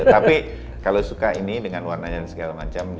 tapi kalau suka ini dengan warnanya dan segala macam